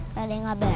tadi gak beres nih